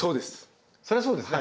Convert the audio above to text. そりゃそうですね